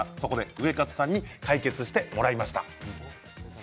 ウエカツさんに解決してもらいました。